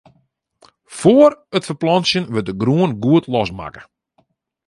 Fóár it ferplantsjen wurdt de grûn goed losmakke.